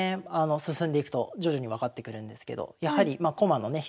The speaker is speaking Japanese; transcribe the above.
進んでいくと徐々に分かってくるんですけどやはりまあ駒のね